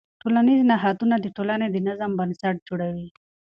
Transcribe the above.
ټولنیز نهادونه د ټولنې د نظم بنسټ جوړوي.